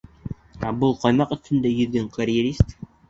Ә был... ҡаймаҡ өҫтөндә йөҙгән карьерист!